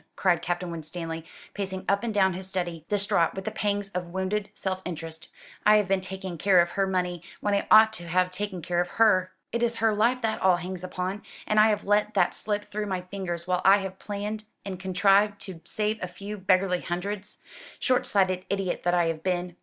cried Captain Winstanley, pacing up and down his study, distraught with the pangs of wounded self interest; "I have been taking care of her money, when I ought to have taken care of her. It is her life that all hangs upon: and I have let that slip through my fingers while I have planned and contrived to save a few beggarly hundreds. Short sighted idiot that I have been!